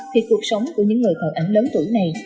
thì cuộc sống của những người còn ảnh lớn tuổi này